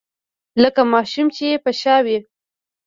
لکه ماشوم چې يې په شا وي.